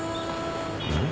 うん？